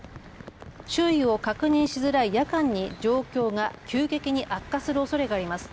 周囲を確認しづらい夜間に状況が急激に悪化するおそれがあります。